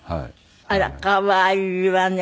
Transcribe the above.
あら可愛いわね。